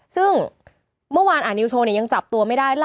ซึ่งเมื่อวานอ่านนิวโชว์เนี่ยยังจับตัวไม่ได้